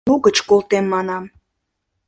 Лугыч колтем, манам...